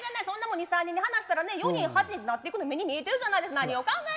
そんなもん２３人に話したらね４人８人なってくの目に見えてるじゃないですか。